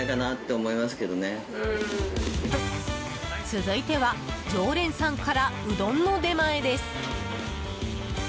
続いては常連さんからうどんの出前です。